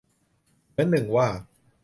เหมือนหนึ่งว่า